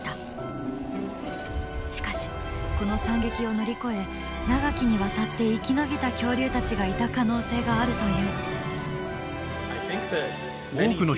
しかしこの惨劇を乗り越え長きにわたって生き延びた恐竜たちがいた可能性があるという。